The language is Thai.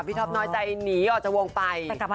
ท็อปน้อยใจหนีออกจากวงไป